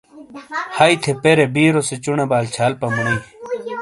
ہئی تھے پیرے بیرو سے چونے بال چھال پمونئی